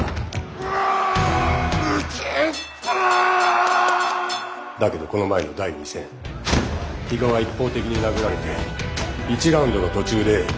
宇宙パワー！だけどこの前の第２戦比嘉は一方的に殴られて１ラウンドの途中で。